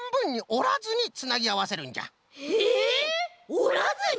おらずに？